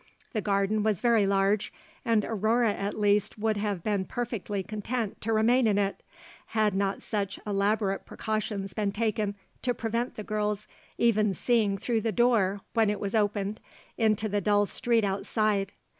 The garden was very large, and Aurore at least would have been perfectly content to remain in it, had not such elaborate precautions been taken to prevent the girls even seeing through the door when it was opened, into the dull street outside.